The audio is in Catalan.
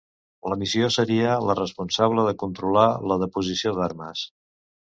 La missió seria la responsable de controlar la deposició d'armes.